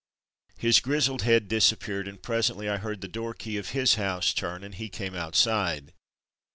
His grizzled head disappeared, and presently I heard the door key of his house turn and he came outside.